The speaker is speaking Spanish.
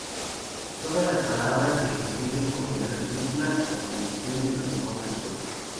Todas las palabras se escriben con letras minúsculas, con excepción de los nombres propios.